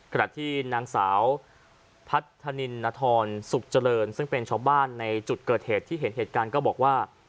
ขณะที่นางสาวพัฒนินนทรสุขเจริญซึ่งเป็นชาวบ้านในจุดเกิดเหตุที่เห็นเหตุการณ์ก็บอกว่า